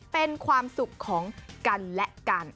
เป็นความสุขของกันและกัน